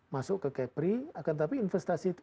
masuk ke kepri akan tapi investasi itu